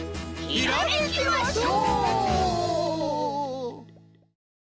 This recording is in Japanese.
ひらめきましょう！